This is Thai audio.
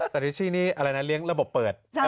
สารีชีนี้อะไรนะเลี้ยงระบบเปิด